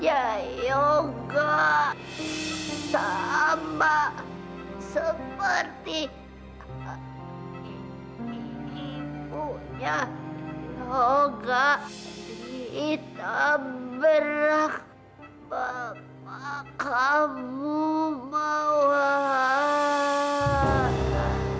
akhirnya bapak dibunuh